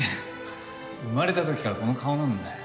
生まれた時からこの顔なんだよ。